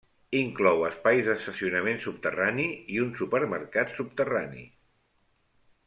Inclou espais d'estacionament subterrani i un supermercat subterrani.